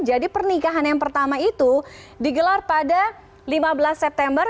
jadi pernikahan yang pertama itu digelar pada lima belas september